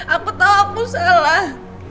aku tau aku salah